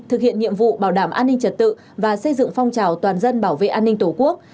thực hiện nhiệm vụ bảo đảm an ninh trật tự và xây dựng phong trào toàn dân bảo vệ an ninh tổ quốc